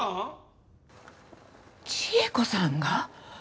千恵子さんが？